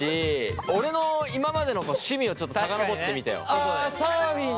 俺の今までの趣味をちょっと遡ってみてよ。